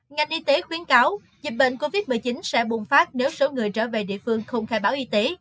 ngành y tế khuyến cáo dịch bệnh covid một mươi chín sẽ bùng phát nếu số người trở về địa phương không khai báo y tế